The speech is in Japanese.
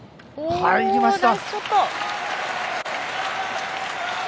入りました！